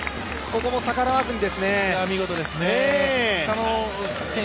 ここも逆らわずにですね。